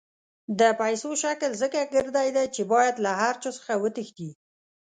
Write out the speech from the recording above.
د پیسو شکل ځکه ګردی دی چې باید له هر چا څخه وتښتي.